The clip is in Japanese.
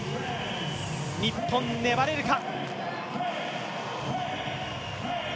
日本、粘れるか。